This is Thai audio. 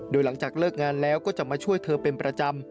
โดยหลังจากเลิกงานแล้วก็จะมาช่วยเธอเป็นประจำ